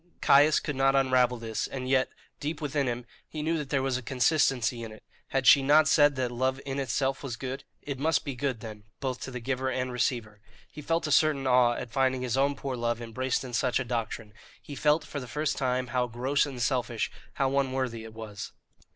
Caius could not unravel this, and yet, deep within him, he knew that there was consistency in it. Had she not said that love in itself was good? it must be good, then, both to the giver and receiver. He felt a certain awe at finding his own poor love embraced in such a doctrine; he felt for the first time how gross and selfish, how unworthy, it was.